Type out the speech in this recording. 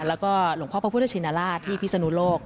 แล้วก็หลวงพ่อพระพุทธชินราชที่พิศนุโลก